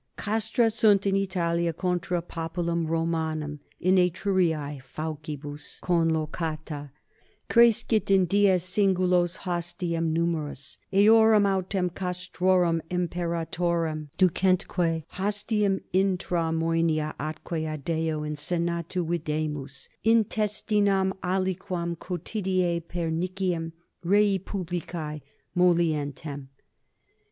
Castra 5 sunt in Italia contra populum Romanum in Etruriae faucibus conlocata, crescit in dies singulos hostium numerus, eorum autem castrorum imperatorem ducemque hostium intra moenia atque adeo in senatu videmus intestinam aliquam cotidie perniciem rei publicae molientem.